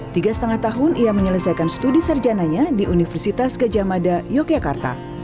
tiga setengah tahun ia menyelesaikan studi sarjananya di universitas kejamada yogyakarta